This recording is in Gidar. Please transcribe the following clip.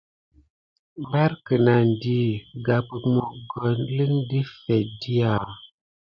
Mbar kənandi ? Ke gambit mokoni klele défete diya ne ras.